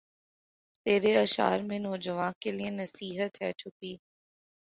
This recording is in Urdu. تیرے اشعار میں نوجواں کے لیے نصیحت ھے چھپی